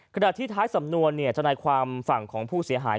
ขณะที่ท้ายสำนวนทนายความฝั่งของผู้เสียหาย